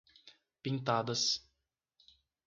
Pintadas